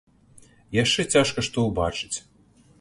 Яшчэ цяжка што ўбачыць.